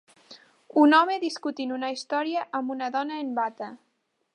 Un home discutint una història amb una dona en bata.